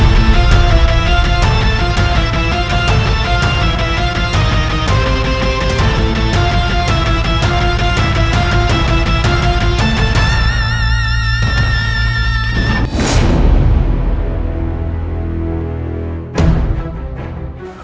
ampun gusti prabu